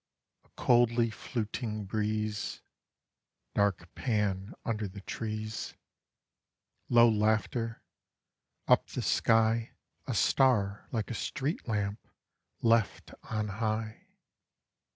(A coldly fluting breeze: Dark Pan under the trees. Low laughter: up the sky A star like a street lamp left on high.)